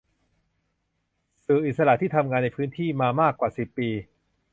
สื่ออิสระที่ทำงานในพื้นที่มามากกว่าสิบปี